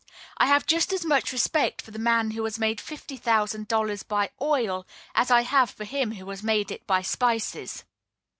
I have just as much respect for the man who has made fifty thousand dollars by oil as I have for him who has made it by spices.